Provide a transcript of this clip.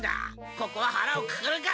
ここははらをくくるか！